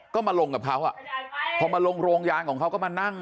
ก็มาลงกับเขาอ่ะพอมาลงโรงยานของเขาก็มานั่ง